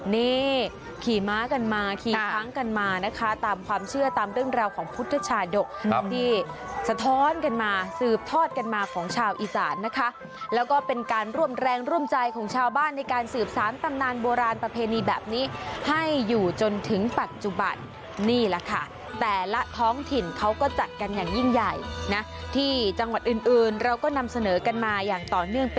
นี่ขี่ม้ากันมาขี่ค้างกันมานะคะตามความเชื่อตามเรื่องราวของพุทธชาดกที่สะท้อนกันมาสืบทอดกันมาของชาวอีสานนะคะแล้วก็เป็นการร่วมแรงร่วมใจของชาวบ้านในการสืบสารตำนานโบราณประเพณีแบบนี้ให้อยู่จนถึงปัจจุบันนี่แหละค่ะแต่ละท้องถิ่นเขาก็จัดกันอย่างยิ่งใหญ่นะที่จังหวัดอื่นเราก็นำเสนอกันมาอย่างต่อเนื่อง